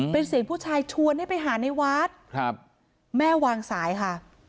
เป็นเสียงผู้ชายชวนให้ไปหาในวัดครับแม่วางสายค่ะ